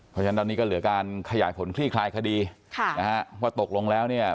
เพราะฉะนั้นตอนนี้ก็เหลือการขยายผลคลี่คลายคดีค่ะนะฮะว่าตกลงแล้วเนี่ย